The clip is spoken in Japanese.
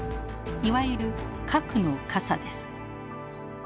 いわゆる核の傘です。